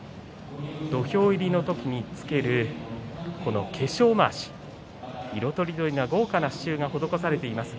土俵入りの時につける化粧まわし色とりどりの豪華な刺しゅうが施されています。